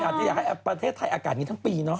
คันอาจจะอยากให้ประเทศไทยอากาศอย่างนี้ทั้งปีเนอะ